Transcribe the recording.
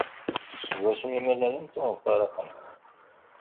Seg wasmi i mlalent ur mfaraqent.